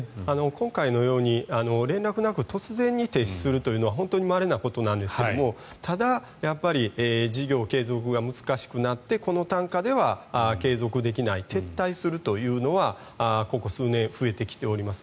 今回のように連絡なく突然に停止するというのは本当にまれなことなんですがただ、やっぱり事業継続が難しくなってこの単価では継続できない撤退するというのはここ数年、増えてきています。